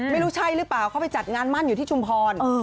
ไม่รู้ใช่หรือเปล่าเขาไปจัดงานมั่นอยู่ที่ชุมพร